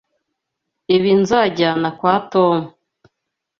Ibi nzajyana kwa Tom.